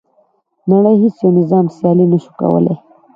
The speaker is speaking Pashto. نړۍ هیڅ یو نظام سیالي نه شوه کولای.